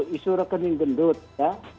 isu rekening gendut ya